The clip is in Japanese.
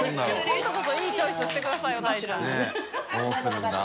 今度こそいいチョイスしてくださいよたいちゃん。